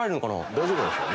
大丈夫なんですか？